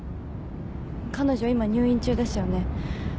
彼女今入院中ですよね？